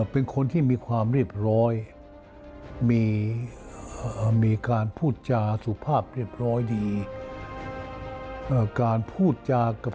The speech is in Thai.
เป็นคนที่มีความเรียบร้อย